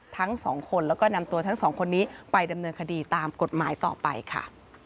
ทั้งสองคนแล้วก็นำตัวทั้งสองคนนี้ไปดำเนินคดีตามกฎหมายต่อไปค่ะ